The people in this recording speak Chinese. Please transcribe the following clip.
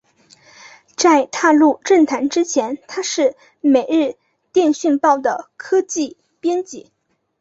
在踏入政坛之前他是每日电讯报的科技编辑。